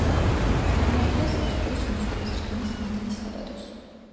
წარმოადგენს ავსტრიის უმსხვილეს რკინის მადნის საბადოს.